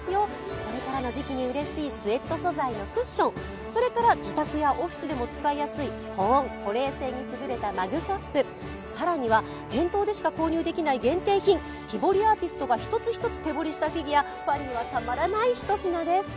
これからの時期にうれしいスエット素材のクッション、自宅やオフィスでも使いやすい保温・保冷性に優れたマグカップ、更には店頭でしか購入できない限定品、木彫りアーティストが一つ一つ手彫りしたフィギュアファンにはたまらない一品です。